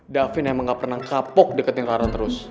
davin emang gak pernah kapok deketin kara terus